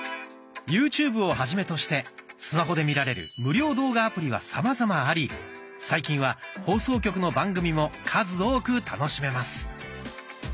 「ＹｏｕＴｕｂｅ」をはじめとしてスマホで見られる無料動画アプリはさまざまあり最近は放送局の番組も数多く楽しめます。